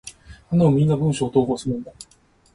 頼む！みんな文章を投稿するんだ！